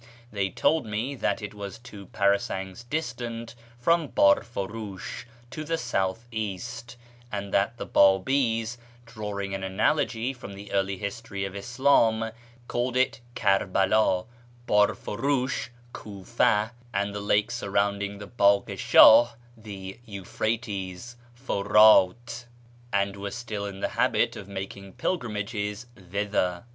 They told me that it was two parasangs distant from Barfurush, to the south east ; and that the Babis, drawing an analogy from the early history of Islam, called it " Kerbela," Barfunish " Kiifa," and the lake surrounding the Bagh i Shah " the Euphrates " {Furdt), and were still in the habit of making pilgrimages thither.